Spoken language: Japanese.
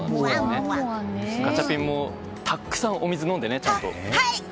ガチャピンもたくさんお水飲んでね！